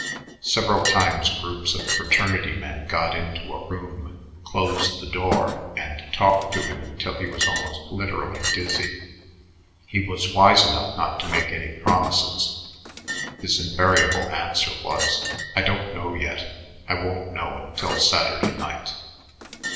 Several times groups of fraternity men got into a room, closed the door, and then talked to him until he was almost literally dizzy. He was wise enough not to make any promises. His invariable answer was: "I don't know yet. I won't know until Saturday night."